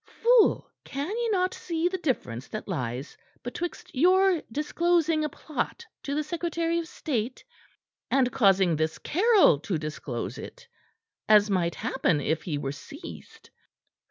Fool, can ye not see the difference that lies betwixt your disclosing a plot to the secretary of state, and causing this Caryll to disclose it as might happen if he were seized?